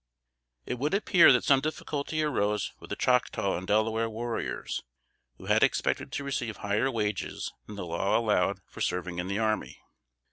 It would appear that some difficulty arose with the Choctaw and Delaware warriors, who had expected to receive higher wages than the law allowed for serving in the army.